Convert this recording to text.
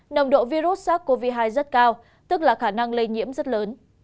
nồng độ virus sars cov hai rất cao tức là khả năng lây nhiễm rất lớn